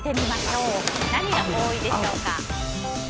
何が多いでしょうか。